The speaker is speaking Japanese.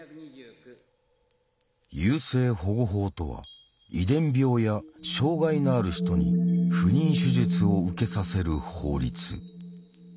優生保護法とは遺伝病や障害のある人に不妊手術を受けさせる法律。